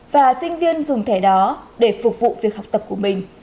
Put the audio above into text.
và sinh viên dùng thẻ đó để phục vụ việc học tập của mình